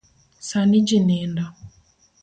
Sani ji nindo.